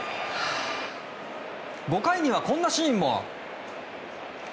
５回には、こんなシーンも。